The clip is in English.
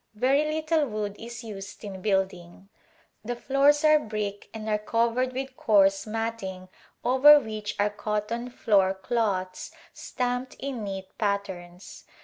Very little wood is used in building. The floors are brick and are covered with coarse matting over which are cotton floor cloths stamped in neat patterns.